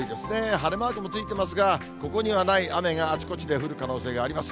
晴れマークもついてますが、ここにはない雨があちこちで降る可能性があります。